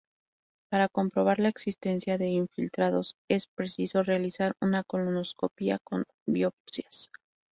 Para comprobar la existencia de infiltrados es preciso realizar una colonoscopia con biopsias.